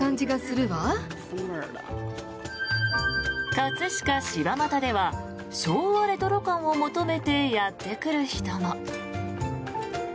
葛飾・柴又では昭和レトロ感を求めてやってくる人も。